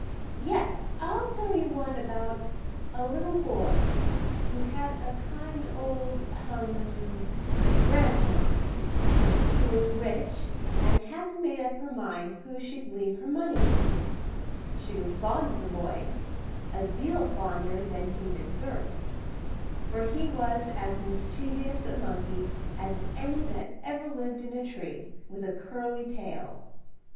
Yes, I'll tell you one about a little boy who had a kind old ahem! grandma. She was rich, and hadn't made up her mind who she'd leave her money to. She was fond of the boy, a deal fonder than he deserved, for he was as mischievous a monkey as any that ever lived in a tree, with a curly tail.